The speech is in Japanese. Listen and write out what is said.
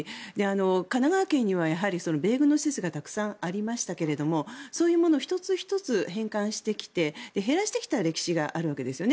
神奈川県には米軍の施設がたくさんありましたがそういうものを１つ１つ返還してきて減らしてきた歴史があるわけですよね。